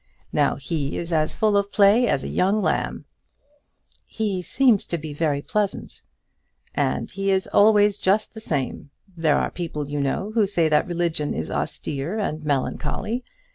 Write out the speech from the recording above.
Now, he is as full of play as a young lamb." "He seems to be very pleasant." "And he is always just the same. There are people, you know, who say that religion is austere and melancholy.